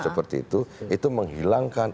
seperti itu itu menghilangkan